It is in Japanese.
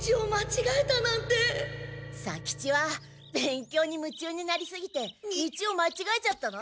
左吉は勉強に夢中になりすぎて道をまちがえちゃったの？